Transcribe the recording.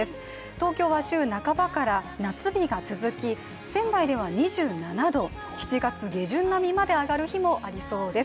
東京は週半ばから夏日が続き仙台では２７度、７月下旬並みまで上がる日もありそうです。